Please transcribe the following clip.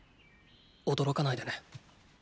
驚かないでね。